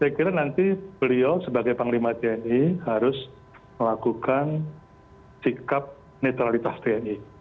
saya kira nanti beliau sebagai panglima tni harus melakukan sikap netralitas tni